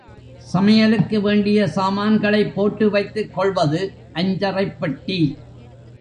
சமையலுக்கு வேண்டிய சாமான்களைப் போட்டு வைத்துக் கொள்வது அஞ்சறைப் பெட்டி.